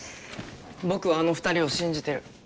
僕はあの２人を信じてる。